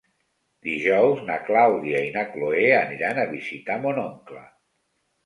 Dijous na Clàudia i na Cloè aniran a visitar mon oncle.